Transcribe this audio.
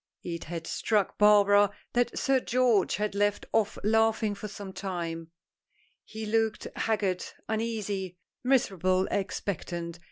It had struck Barbara that Sir George had left off laughing for some time. He looked haggard uneasy miserably expectant.